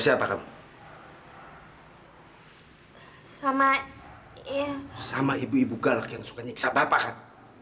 sama ibu ibu galak yang suka nyiksa bapak kan